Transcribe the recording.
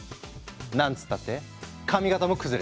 なんつったって髪形も崩れない。